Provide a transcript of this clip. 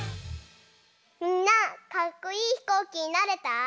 みんなかっこいいひこうきになれた？